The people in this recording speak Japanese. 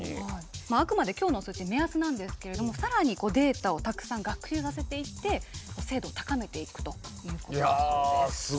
まああくまで今日の数字目安なんですけれども更にデータをたくさん学習させていって精度を高めていくということだそうです。